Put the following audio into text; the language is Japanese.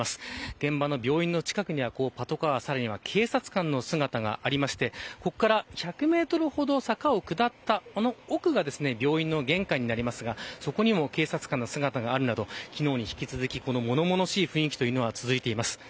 現場の病院の近くにはパトカーさらには警察官の姿がありましてここから１００メートルほど坂を下ったこの奥が病院の玄関になりますがそこにも警察官の姿があるなど昨日に引き続き、物々しい雰囲気が続いています。